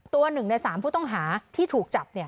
๑ใน๓ผู้ต้องหาที่ถูกจับ